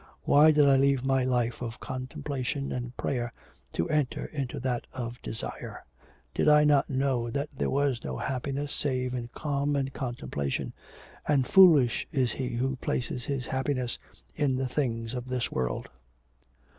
Why did I leave my life of contemplation and prayer to enter into that of desire? Did I not know that there was no happiness save in calm and contemplation, and foolish is he who places his happiness in the things of this world?'